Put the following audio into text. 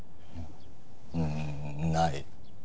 うーんない。